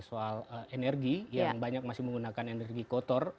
soal energi yang banyak masih menggunakan energi kotor